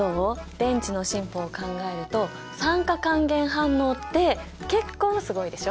電池の進歩を考えると酸化還元反応って結構すごいでしょ！